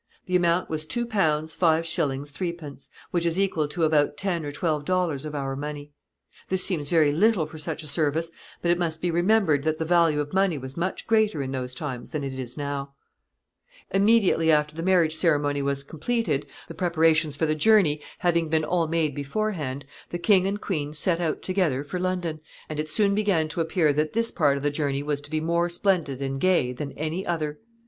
The amount was £2 5_s._ 3_d._, which is equal to about ten or twelve dollars of our money. This seems very little for such a service, but it must be remembered that the value of money was much greater in those times than it is now. [Sidenote: Margaret continues her journey toward London.] [Sidenote: Rejoicings.] Immediately after the marriage ceremony was completed, the preparations for the journey having been all made beforehand, the king and queen set out together for London, and it soon began to appear that this part of the journey was to be more splendid and gay than any other.